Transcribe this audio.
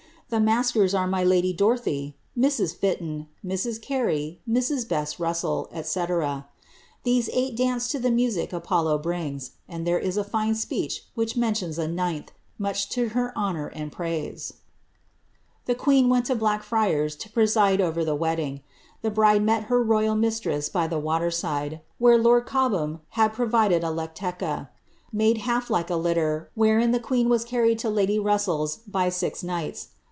The markers are my iady Dorothy, Mrs. Fii ron, Mts. Carey, Jlrs, Boss Russell.' &,e. Tticic eighi dance lo ihe music .K\'A\'' briiips; mid ihcre is a fine speech wliicli meniious a ninili, niucli lo her Leiwui and prnisc' The queen went to Blackfriars to preside over the wedding. The hride mot her royal mistress by the waler side, where lord Cobham hiiJ provided a Irclica, made half like a liller, wherein ihe queen was carriea to lady Hussell's, by six knights.